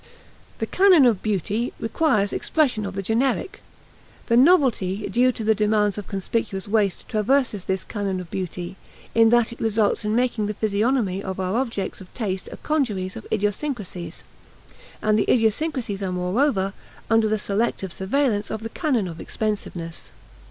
The canon of beauty requires expression of the generic. The "novelty" due to the demands of conspicuous waste traverses this canon of beauty, in that it results in making the physiognomy of our objects of taste a congeries of idiosyncrasies; and the idiosyncrasies are, moreover, under the selective surveillance of the canon of expensiveness.